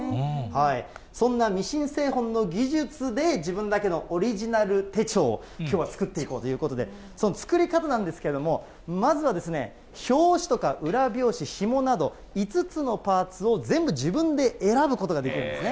そんなミシン製本の技術で、自分だけのオリジナル手帳をきょうは作っていこうということで、その作り方なんですけども、まずは表紙とか裏表紙、ひもなど、５つのパーツを全部自分で選ぶことができるんですね。